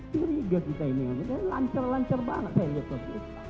diriga kita ini lancar lancar banget saya lihat lihat